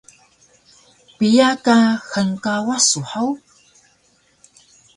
Piya ka hngkawas su hug?